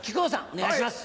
お願いします！